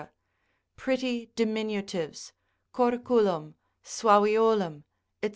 pretty diminutives, corculum, suaviolum, &c.